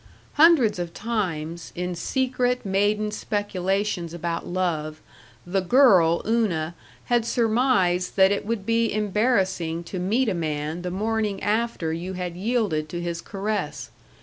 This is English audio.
Hundreds of times, in secret maiden speculations about love, the girl Una had surmised that it would be embarrassing to meet a man the morning after you had yielded to his caress.